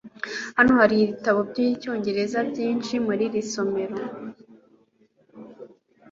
hano hari ibitabo byinshi byicyongereza muri iri somero